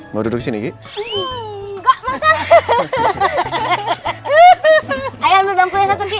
mau duduk sini iya pak